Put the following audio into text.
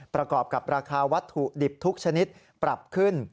ประกอบกับราคาวัตถุดิบทุกชนิดปรับขึ้น